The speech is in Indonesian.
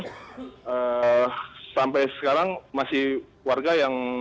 sampai sekarang masih warga yang